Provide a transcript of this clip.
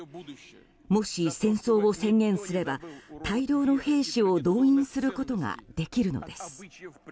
もし戦争を宣言すれば大量の兵士を動員することができるのです。